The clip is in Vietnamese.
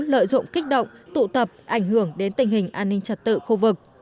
lợi dụng kích động tụ tập ảnh hưởng đến tình hình an ninh trật tự khu vực